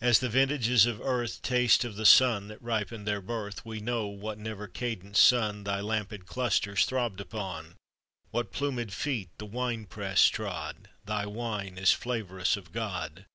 As the vintages of earth Taste of the sun that riped their birth, We know what never cadent Sun Thy lampèd clusters throbbed upon, What plumèd feet the winepress trod; Thy wine is flavorous of God.